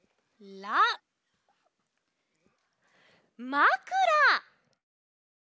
「まくら」！